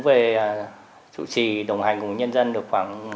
và rực rỡ hơn